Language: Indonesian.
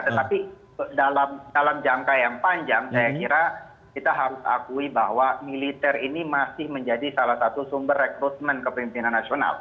tetapi dalam jangka yang panjang saya kira kita harus akui bahwa militer ini masih menjadi salah satu sumber rekrutmen kepemimpinan nasional